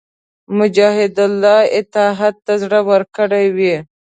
مجاهد د الله اطاعت ته زړه ورکړی وي.